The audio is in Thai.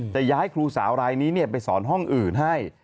จะย้ายครูสาวรายนี้ไปสอนห้องอื่นให้